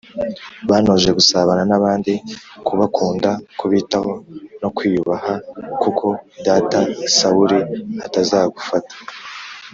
Bantoje gusabana n abandi kubakunda kubitaho no kwiyubaha kuko data sawuli atazagufata